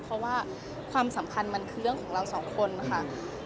เพราะว่าความสำคัญมันคือเรื่องของเราสองคนค่ะ